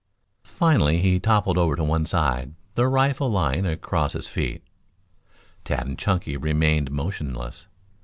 Finally he toppled over to one side, the rifle lying across his feet. Tad and Chunky remained motionless.